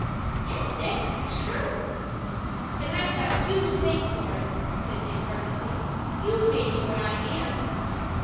"Yes, Dick, it's true." "Then I've got you to thank for it," said Dick, earnestly. "You've made me what I am."